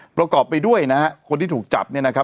ประกอบไปด้วยนะฮะคนที่ถูกจับเนี่ยนะครับ